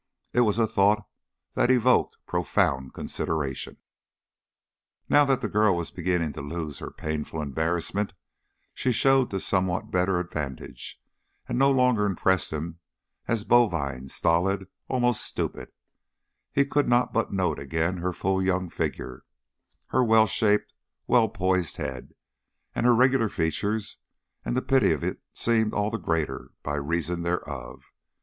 It was a thought that evoked profound consideration. Now that the girl was beginning to lose her painful embarrassment, she showed to somewhat better advantage and no longer impressed him, as bovine, stolid, almost stupid; he could not but note again her full young figure, her well shaped, well poised head, and her regular features, and the pity of it seemed all the greater by reason thereof.